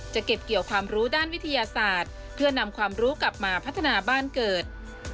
เก็บเกี่ยวความรู้ด้านวิทยาศาสตร์เพื่อนำความรู้กลับมาพัฒนาบ้านเกิด